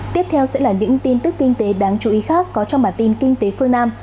tiếp theo sẽ là những tin tức kinh tế đáng chú ý khác có trong bản tin kinh tế phương nam